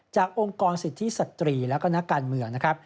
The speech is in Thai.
องค์กรสิทธิสตรีและก็นักการเมืองนะครับ